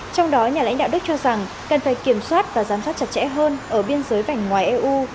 trong đó nhà lãnh đạo đức cho rằng cần phải kiểm soát và giám sát chặt chẽ hơn ở biên giới vảnh ngoài eu